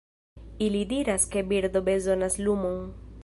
Ili diras ke birdo bezonas lumon.